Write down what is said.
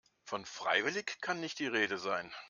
Von freiwillig kann nicht die Rede sein.